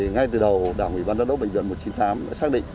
ngay từ đầu đảng ủy ban giám đốc bệnh viện một trăm chín mươi tám đã xác định